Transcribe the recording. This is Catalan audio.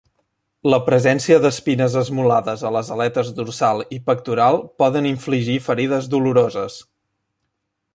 La presència d'espines esmolades a les aletes dorsal i pectoral poden infligir ferides doloroses.